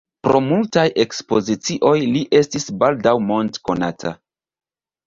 Pro multaj ekspozicioj li estis baldaŭ mondkonata.